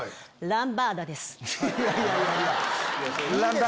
ランバーダです。